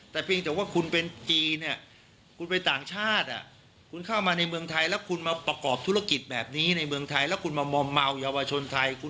แต่เพียงแต่ว่าคุณเป็นจีนเนี่ยคุณไปต่างชาติคุณเข้ามาในเมืองไทยแล้วคุณมาประกอบธุรกิจแบบนี้ในเมืองไทยแล้วคุณมามอมเมาเยาวชนไทย